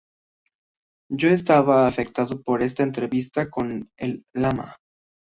Yo estaba muy afectado por esta entrevista con el lama.